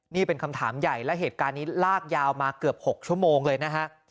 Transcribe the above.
นี่เป็นคำถามใหญ่และเหตุการณ์นี้ลากยาวมาเกือบ๖ชั่วโมงเลยนะฮะ